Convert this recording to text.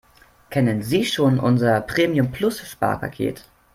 Kennen Sie schon unser Premium-Plus-Sparpaket?